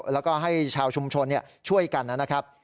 แล้วก็ให้ชาวชุมชนช่วยกันนะครับ